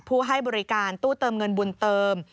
ให้บริการตู้เติมเงินบุญเติม